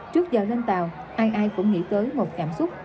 trước giờ lên tàu ai ai cũng nghĩ tới một cảm xúc